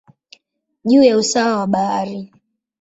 juu ya usawa wa bahari.